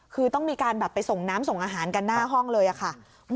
คือต้องมีการแบบไปส่งน้ำส่งอาหารกันหน้าห้องเลยค่ะ